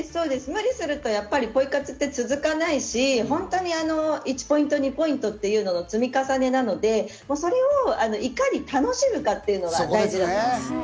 無理するとポイ活って続かないし、本当に１ポイント、２ポイントという積み重ねなので、それをいかに楽しむかというのが大事だと思います。